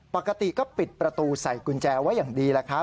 ปกติก็ปิดประตูใส่กุญแจไว้อย่างดีแหละครับ